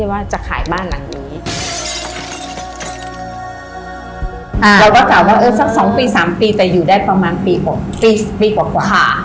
แต่อยู่ได้ประมาณปีกว่ากว่า